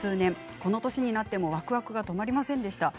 この年になっても、わくわくが止まりませんでした。